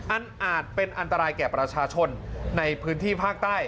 อาจเป็นอันตรายแก่ประชาชนในพื้นที่ภาคใต้